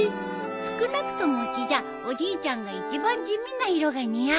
少なくともうちじゃおじいちゃんが一番地味な色が似合うよ。